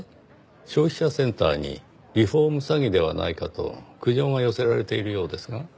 消費者センターにリフォーム詐欺ではないかと苦情が寄せられているようですが。